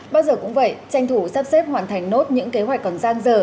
bao giờ cũng vậy tranh thủ sắp xếp hoàn thành nốt những kế hoạch còn giang dở